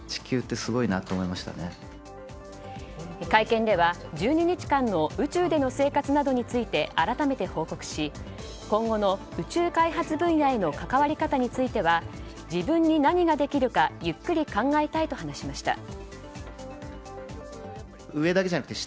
会見では１２日間の宇宙での生活などについて改めて報告し今後の宇宙開発分野への関わり方については自分に何ができるかゆっくり考えたいと話しました。